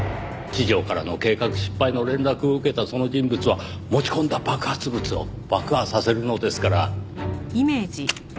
地上からの計画失敗の連絡を受けたその人物は持ち込んだ爆発物を爆破させるのですから。